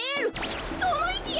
そのいきや！